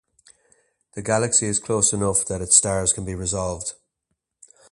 The galaxy is close enough that its stars can be resolved.